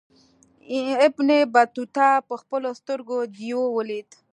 ابن بطوطه پخپلو سترګو دېو ولید.